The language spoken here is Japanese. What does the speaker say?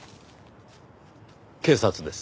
警察です。